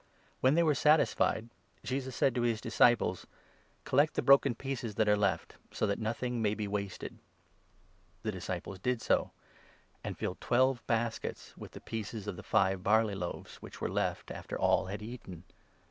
When they were satisfied, Jesus said 12 to his disciples : "Collect the broken pieces that are left, so that nothing may be wasted." The disciples did so, and filled twelve baskets with the n pieces of the five barley loaves, which were left after all had eaten.